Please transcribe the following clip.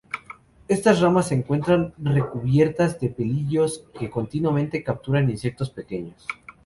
Estas ramas se encuentran recubiertas de pelillos que continuamente capturan insectos pequeños.